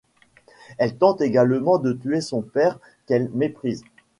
Elle tente également de tuer son père qu'elle méprise.